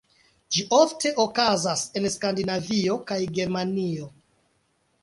Ĝi ofte okazas en Skandinavio kaj Germanio.